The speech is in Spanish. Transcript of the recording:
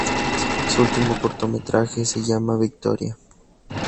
Su último cortometraje se llama "Victoria".